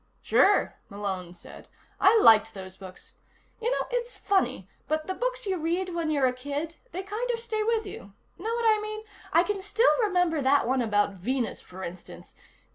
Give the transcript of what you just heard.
"Sure," Malone said. "I liked those books. You know it's funny, but the books you read when you're a kid, they kind of stay with you. Know what I mean? I can still remember that one about Venus, for instance.